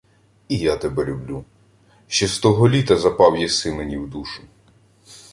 — І я тебе люблю. Ще з того літа запав єси мені в душу.